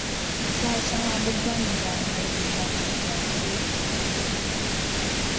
Saha shɛŋa bɛ gba ni daa mali bɛ ŋarima kpɛri teeku maa ni.